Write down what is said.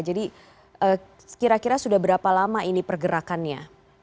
jadi kira kira sudah berapa lama ini pergerakannya